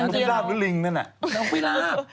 พี่ราบหรือที่ลิงนี่น่ะพี่ราบ